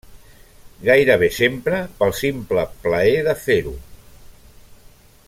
Gairebé sempre pel simple plaer de fer-ho.